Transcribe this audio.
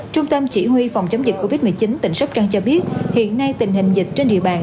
trung tâm chỉ huy phòng chống dịch covid một mươi chín tỉnh sóc trăng cho biết hiện nay tình hình dịch trên địa bàn